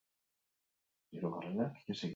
Bizitza da mendi gainik garrantzitsuena.